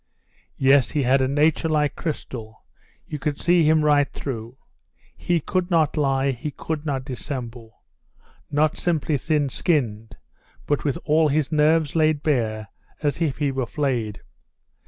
Yes, he had a nature like crystal, you could see him right through; he could not lie, he could not dissemble; not simply thin skinned, but with all his nerves laid bare, as if he were flayed.